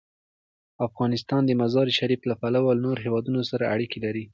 افغانستان د مزارشریف له پلوه له نورو هېوادونو سره اړیکې لري.